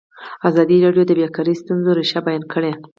ازادي راډیو د بیکاري د ستونزو رېښه بیان کړې.